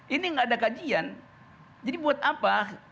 ini nggak ada kajian jadi buat apa